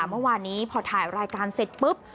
เมื่อวานนี้พอถ่ายรายการเสร็จปุ๊บ